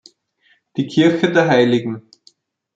Die Kirche der Hl.